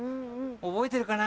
覚えてるかな？